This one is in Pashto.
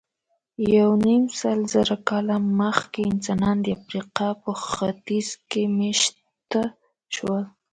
یونیمسلزره کاله مخکې انسانان د افریقا په ختیځ کې مېشته شول.